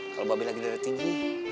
kalo mba be lagi darah tinggi